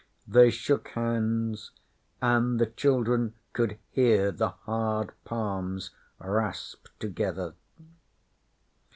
They shook hands, and the children could hear the hard palms rasp together.